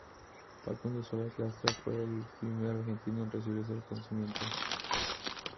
Facundo Suárez Lastra fue el primer argentino en recibir este reconocimiento.